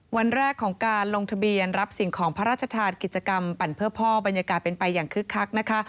วันแรกของการลงทะเบียนรับสิ่งของพระราชทานกิจกรรมปั่นเพื่อพ่อบรรยากาศเป็นไปอย่างคึกคักนะคะ